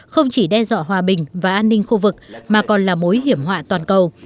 không chỉ đe dọa hòa bình và an ninh khu vực mà còn là mối hiểm họa toàn cầu